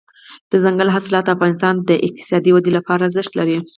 دځنګل حاصلات د افغانستان د اقتصادي ودې لپاره ارزښت لري.